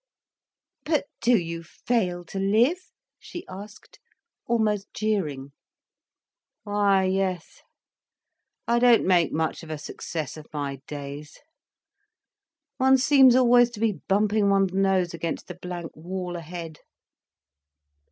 "But do you fail to live?" she asked, almost jeering. "Why yes—I don't make much of a success of my days. One seems always to be bumping one's nose against the blank wall ahead."